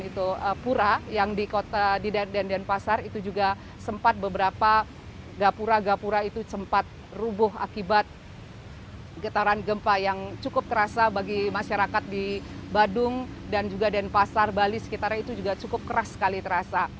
di pura yang di kota di denpasar itu juga sempat beberapa gapura gapura itu sempat rubuh akibat getaran gempa yang cukup kerasa bagi masyarakat di badung dan juga denpasar bali sekitarnya itu juga cukup keras sekali terasa